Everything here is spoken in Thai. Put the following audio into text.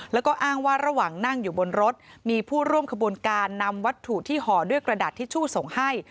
แล้วก็อ้างว่าระหว่างนั่งอยู่บนรถมีผู้ร่วมขบวนการนำวัตถุที่ห่อด้วยกระดาษทิชชู่ส่งให้